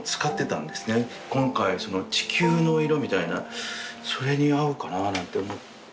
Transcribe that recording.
今回その地球の色みたいなそれに合うかなあなんて。